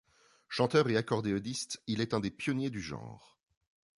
Chanteur et accordéoniste, il est un des pionniers du genre.